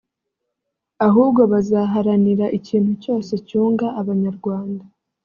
ahubwo bazaharanira ikintu cyose cyunga Abanyarwanda